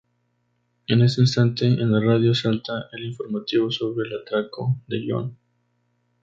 En ese instante, en la radio salta el informativo sobre el atraco de John.